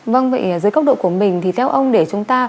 vâng vậy dưới góc độ của mình thì theo ông để chúng ta